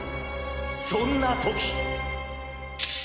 そんな時！